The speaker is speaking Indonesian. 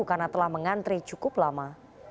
karena telah mengantri cukup lama